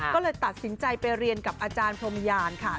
ก็เลยตัดสินใจไปเรียนกับอาจารย์พรมยานค่ะ